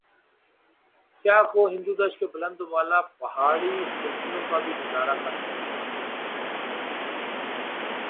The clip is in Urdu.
سیاح کو ہندودش کے بلند و بالا پہاڑی سلسوں کا بھی نظارہ کر سکتے ہیں ۔